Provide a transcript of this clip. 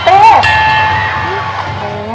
โอเค